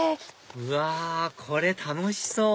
うわこれ楽しそう！